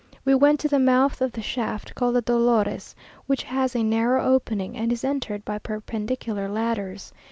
We went to the mouth of the shaft called the Dolores, which has a narrow opening, and is entered by perpendicular ladders.